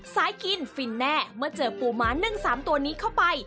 กินฟินแน่เมื่อเจอปูม้านึ่ง๓ตัวนี้เข้าไป